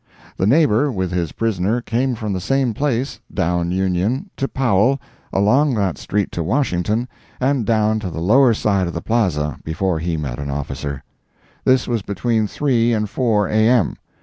The neighbor, with his prisoner, came from the same place, down Union to Powell, along that street to Washington, and down to the lower side of the Plaza, before he met an officer. This was between three and four, A. M.